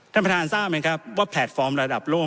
ท่านประธานทราบไหมครับว่าแพลตฟอร์มระดับโลก